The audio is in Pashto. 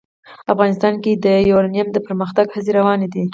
افغانستان کې د یورانیم د پرمختګ هڅې روانې دي.